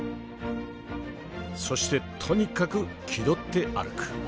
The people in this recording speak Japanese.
そしてとにかく気取って歩く。